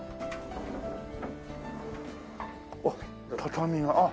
あっ畳が。